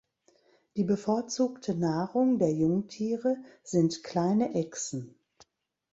Die bevorzugte Nahrung der Jungtiere sind kleine Echsen.